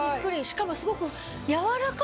しかもすごく。